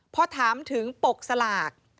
พอถามถึงปกสลาก